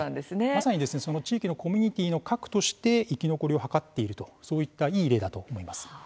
まさに、その地域のコミュニティーの核として生き残りを図っているとそういったいい例だと思います。